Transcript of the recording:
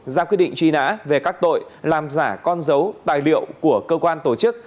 ra quyết định truy nã về các tội làm giả con dấu tài liệu của cơ quan tổ chức